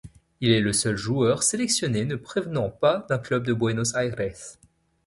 Il est le seul joueur sélectionné ne provenant pas d'un club de Buenos Aires.